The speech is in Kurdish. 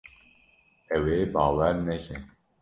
Ew ê bawer neke.